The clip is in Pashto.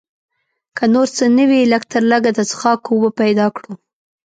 که نور څه نه وي لږ تر لږه د څښاک اوبه پیدا کړو.